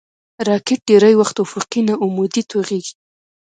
راکټ ډېری وخت افقي نه، عمودي توغېږي